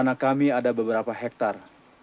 anak kami ada beberapa hektar